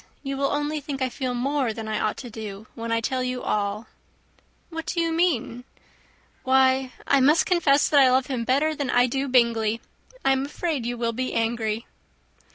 You will only think I feel more than I ought to do when I tell you all." "What do you mean?" "Why, I must confess that I love him better than I do Bingley. I am afraid you will be angry."